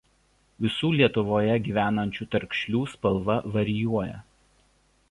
Visų Lietuvoje gyvenančių tarkšlių spalva varijuoja.